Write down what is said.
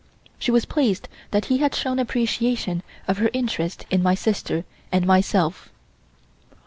She was pleased that he had shown appreciation of her interest in my sister and myself.